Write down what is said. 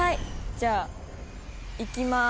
じゃあいきます。